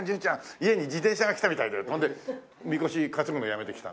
家に自転車が来たみたいだよ」ってほんで神輿担ぐのやめてきたの。